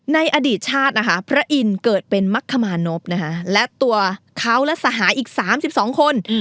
ในอดีตชาตินะคะพระอินทร์เกิดเป็นมักขมานพและตัวเขาและสหายอีก๓๒คน